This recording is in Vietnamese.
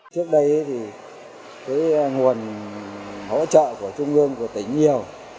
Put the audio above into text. trước đây thì cái nguồn hỗ trợ của trung ương của tỉnh nhiều